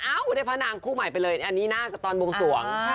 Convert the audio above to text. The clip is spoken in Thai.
ได้พระนางคู่ใหม่ไปเลยอันนี้น่าจะตอนบวงสวง